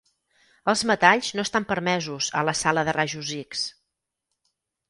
Els metalls no estan permesos a la sala de rajos X.